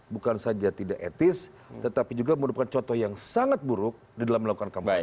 bukan saja tidak etis tetapi juga merupakan contoh yang sangat buruk di dalam melakukan kampanye